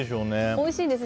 おいしいです。